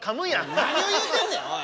何を言うてんねんおい！